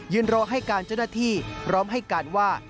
ยืนรอให้การจนที่ร้อมให้การว่า